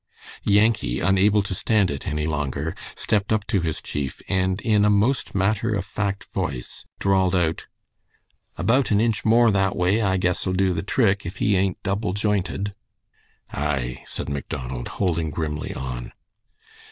Yankee, unable to stand it any longer, stepped up to his chief, and in a most matter of fact voice drawled out, "About an inch more that way I guess 'll do the trick, if he ain't double jointed." "Aye," said Macdonald, holding grimly on.